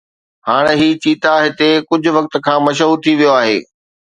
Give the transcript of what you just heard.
هاڻ هي چيتا هتي ڪجهه وقت کان مشهور ٿي ويو آهي